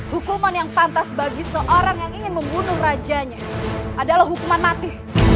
hukuman yang pantas bagi seorang yang ingin membunuh rajanya adalah hukuman mati